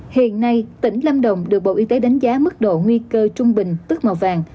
hiện nay tỉnh lâm đồng được bộ y tế đánh giá mức độ nguy cơ trung bình tức màu vàng